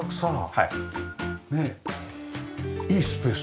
はい。